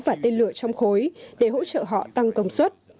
và tên lửa trong khối để hỗ trợ họ tăng công suất